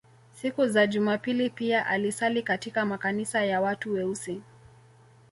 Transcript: Siku za Jumapili pia alisali katika makanisa ya watu weusi